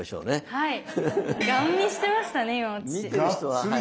はい。